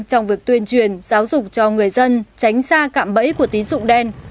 trong việc tuyên truyền giáo dục cho người dân tránh xa cạm bẫy của tín dụng đen